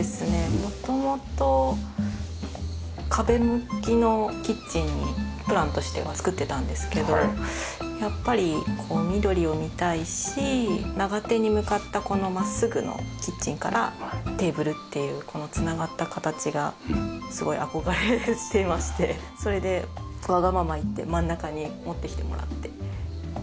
元々壁向きのキッチンにプランとしては作ってたんですけどやっぱり緑を見たいし長手に向かった真っすぐのキッチンからテーブルっていうこの繋がった形がすごい憧れてましてそれでわがまま言って真ん中に持ってきてもらって。